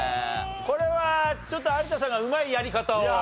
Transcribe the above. これはちょっと有田さんがうまいやり方を。